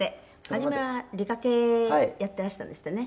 「初めは理科系やってらしたんですってね」